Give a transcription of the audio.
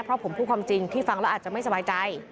เพราะผมพูดความจริงที่ฟังแล้วอาจจะไม่สบายใจ